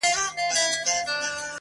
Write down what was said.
• ه ته خپه د ستړي ژوند له شانه نه يې.